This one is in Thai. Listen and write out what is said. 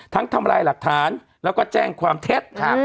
ทำลายหลักฐานแล้วก็แจ้งความเท็จ